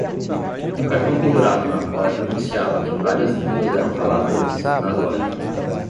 Um cartão pendurado na porta anunciava que várias línguas eram faladas na loja.